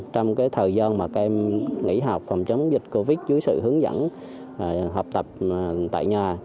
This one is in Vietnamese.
trong thời gian mà các em nghỉ học phòng chống dịch covid dưới sự hướng dẫn học tập tại nhà